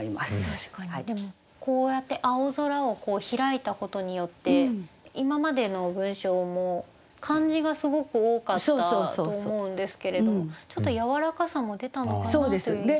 確かにでもこうやって青空をひらいたことによって今までの文章も漢字がすごく多かったと思うんですけれどちょっとやわらかさも出たのかなという印象を受けますね。